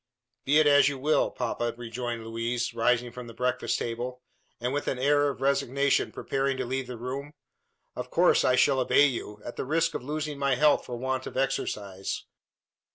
"Be it as you will, papa," rejoined Louise, rising from the breakfast table, and with an air of resignation preparing to leave the room. "Of course I shall obey you at the risk of losing my health for want of exercise.